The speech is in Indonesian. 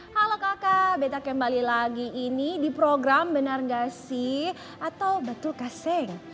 halo kakak beta kembali lagi ini di program benar gak sih atau betul kaseng